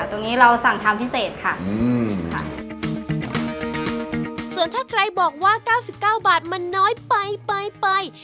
ตรงนี้เราสั่งทำพิเศษค่ะอืมค่ะส่วนถ้าใครบอกว่าเก้าสิบเก้าบาทมันน้อยไปไปไป